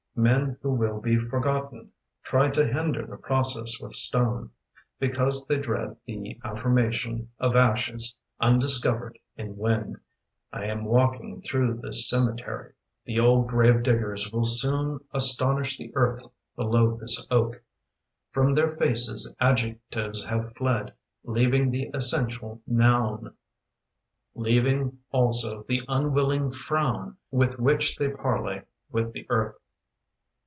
Men who will be forgotten Try to hinder the process with stone. Because they dread the affirmation Of ashes undiscovered in wind, I am walking through this cemetery. The old grave diggers will soon Astonish the earth below this oak. From their faces adjectives have fled, Leaving the essential noun: Leaving also the unwilling frown With which they parley with the earth